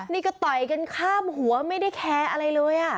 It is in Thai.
นี่ก็ต่อยกันข้ามหัวไม่ได้แคร์อะไรเลย